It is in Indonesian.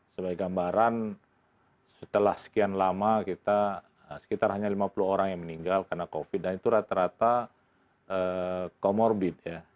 sebagai gambaran setelah sekian lama kita sekitar hanya lima puluh orang yang meninggal karena covid dan itu rata rata comorbid ya